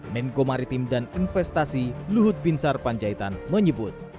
menko maritim dan investasi luhut binsar panjaitan menyebut